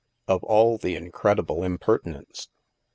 Of all the incredible impertinence